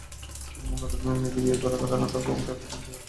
অন্য ধর্মের মেয়ে বিয়ে করার কারণে তাঁর বাবা তাঁদের প্রত্যাখ্যান করেন।